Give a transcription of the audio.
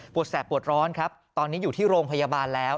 แสบปวดร้อนครับตอนนี้อยู่ที่โรงพยาบาลแล้ว